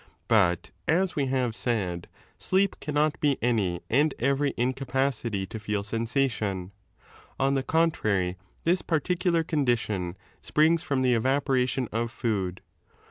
But, as we have said, sleep 7 cannot he any and every incapacity to feel sensation; on the contrary this particular condition springs from the evaporation of food.